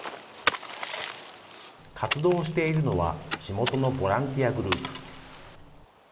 活動をしているのは、地元のボランティアグループ。